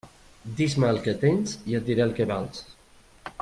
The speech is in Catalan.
Dis-me el que tens i et diré el que vals.